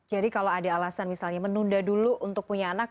jadi kalau ada alasan misalnya menunda dulu untuk punya anak